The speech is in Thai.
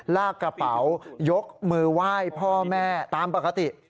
ลากกระเป๋ายกมือไหว้พ่อแม่ตามปกติ